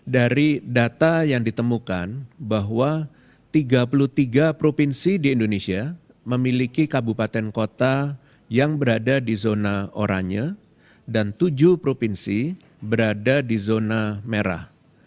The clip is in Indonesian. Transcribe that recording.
dari data yang ditemukan bahwa tiga puluh tiga provinsi di indonesia memiliki kabupaten kota yang berada di zona oranye dan tujuh provinsi berada di zona merah